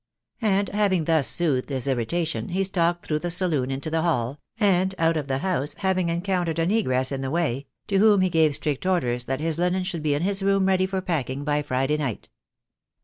And having thus soothed his irritation, he stalked through the saloon into the hall, and out of the house, having encountered a negress in his way, to whom he gave strict orders that his hnen should be in his room ready for packing by Friday night.